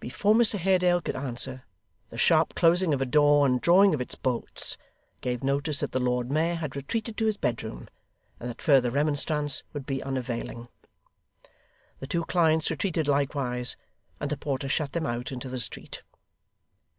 Before Mr Haredale could answer, the sharp closing of a door and drawing of its bolts, gave notice that the Lord Mayor had retreated to his bedroom, and that further remonstrance would be unavailing. The two clients retreated likewise, and the porter shut them out into the street.